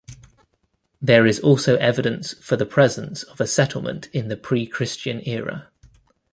There is also evidence for the presence of a settlement in the pre-Christian era.